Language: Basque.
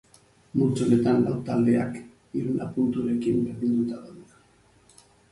Multzo honetan lau taldeak hiruna punturekin berdinduta daude.